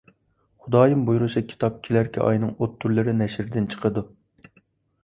خۇدايىم بۇيرۇسا، كىتاب كېلەركى ئاينىڭ ئوتتۇرىلىرى نەشردىن چىقىدۇ.